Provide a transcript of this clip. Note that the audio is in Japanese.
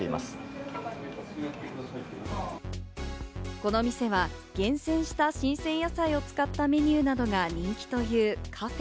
この店は厳選した新鮮野菜を使ったメニューなどが人気というカフェ。